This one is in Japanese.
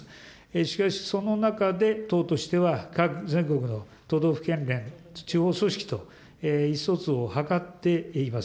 しかし、その中で党としては、全国の都道府県連、地方組織と意思疎通を図っています。